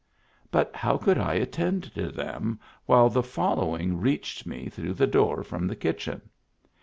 But how could I attend to them while the following reached me through the door from the kitchen?